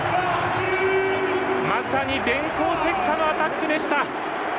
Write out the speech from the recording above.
まさに電光石火のアタックでした。